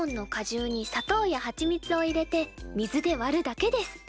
じゅうに砂糖やはちみつを入れて水で割るだけです。